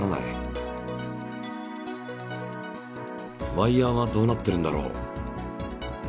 ワイヤーはどうなってるんだろう？